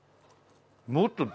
もっと。